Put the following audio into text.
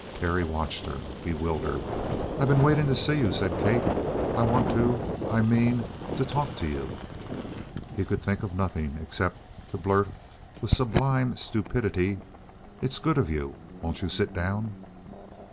Terry watched her, bewildered. "I been waiting to see you," said Kate. "I want to I mean to talk to you." He could think of nothing except to blurt with sublime stupidity: "It's good of you. Won't you sit down?"